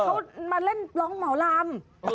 เขามาเล่นร้องหมอลำ